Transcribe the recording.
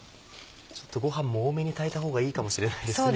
ちょっとご飯も多めに炊いた方がいいかもしれないですね。